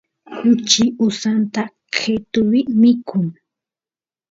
kuchi usanta qetuvi mikun